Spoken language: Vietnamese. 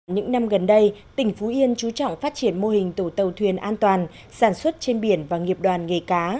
những năm gần đây tỉnh phú yên chú trọng phát triển mô hình tổ tàu thuyền an toàn sản xuất trên biển và nghiệp đoàn nghề cá